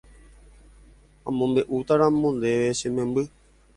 amombe'útaramo ndéve che memby